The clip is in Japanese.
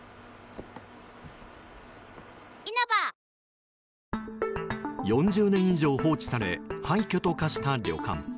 ニトリ４０年以上放置され廃墟と化した旅館。